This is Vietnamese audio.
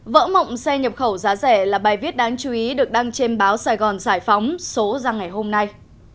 vỡ mộng xe nhập khẩu giá rẻ là bài viết đáng chú ý được đăng trên báo sài gòn giải phóng số ra ngày hôm nay